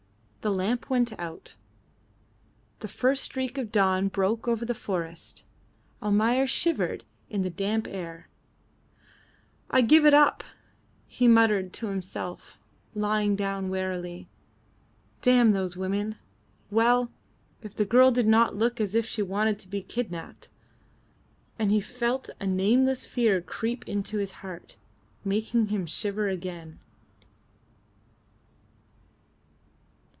The lamp went out. The first streak of dawn broke over the forest; Almayer shivered in the damp air. "I give it up," he muttered to himself, lying down wearily. "Damn those women! Well! If the girl did not look as if she wanted to be kidnapped!" And he felt a nameless fear creep into his heart, making him shiver again.